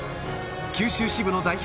九州支部の代表